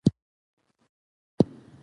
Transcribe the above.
زه هره ورځ ډوډې پخوم